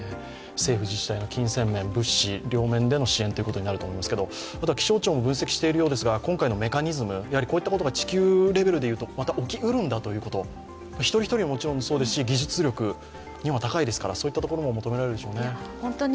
政府自治体の金銭面、物資、両面での支援となると思うんですけどもあとは気象庁も分析しているようですが今回のメカニズム、地球レベルでいうとまた起きうるんだということ、一人一人もそうですし、技術力、日本は高いですから、そういったところも求められるでしょうね。